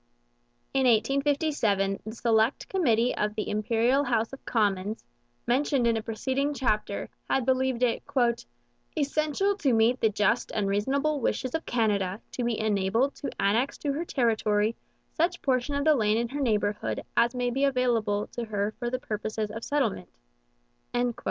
In 1857 the select committee of the Imperial House of Commons, mentioned in a preceding chapter, had believed it 'essential to meet the just and reasonable wishes of Canada to be enabled to annex to her territory such portion of the land in her neighbourhood as may be available to her for the purposes of settlement.'